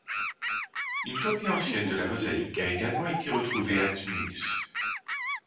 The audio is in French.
Une copie ancienne de la mosaïque a également été retrouvée à Thmuis.